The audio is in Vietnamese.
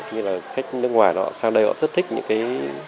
như là khách nước ngoài họ sang đây họ rất thích những cái